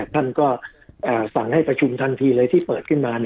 ท่านก็สั่งให้ประชุมทันทีเลยที่เปิดขึ้นมา